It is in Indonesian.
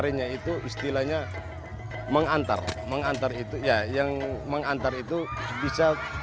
ini kan bagus